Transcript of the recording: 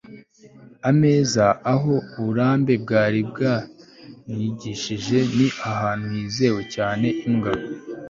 ameza, aho uburambe bwari bwamwigishije ni ahantu hizewe cyane. imbwa